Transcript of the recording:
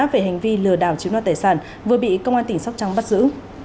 về hành vi lừa đảo chiếm đoạt tài sản vừa bị công an tỉnh sóc trăng bắt giữ